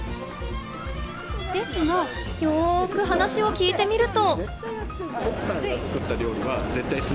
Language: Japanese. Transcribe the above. ですが、よく話を聞いてみると。